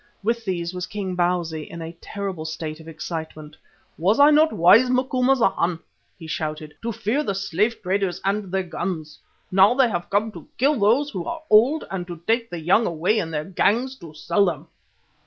With these was King Bausi, in a terrible state of excitement. "Was I not wise, Macumazana," he shouted, "to fear the slave traders and their guns? Now they have come to kill those who are old and to take the young away in their gangs to sell them."